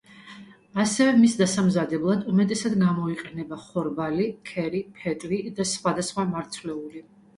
ასევე მის დასამზადებლად უმეტესად გამოიყენება ხორბალი, ქერი, ფეტვი და სხვადასხვა მარცვლეული.